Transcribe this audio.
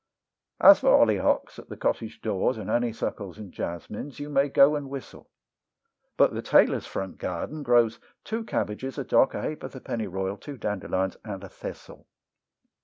As for hollyhocks at the cottage doors, and honeysuckles and jasmines, you may go and whistle; But the Tailor's front garden grows two cabbages, a dock, a ha'porth of pennyroyal, two dandelions, and a thistle!